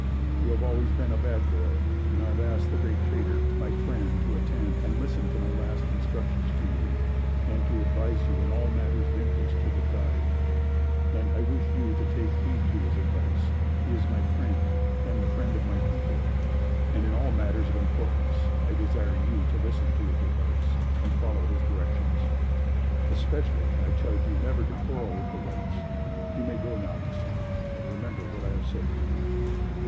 You have always been a bad boy, and I have asked the 'Great Trader' my friend to attend and listen to my last instructions to you and to advise you in all matters of interest to the tribe, and I wish you to take heed to his advice; he is my friend and the friend of my people and in all matters of importance I desire you to listen to his advice and follow his directions. Especially, I charge you never to quarrel with the whites. You may go now my son, and remember what I have said to you."